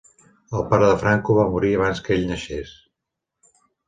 El pare de Franco va morir abans que ell naixés.